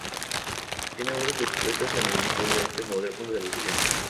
Tiene obras expuestas en el Museo de Arte Moderno de Nueva York.